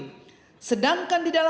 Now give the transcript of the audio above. maka seharusnya berita acara itu tidak ada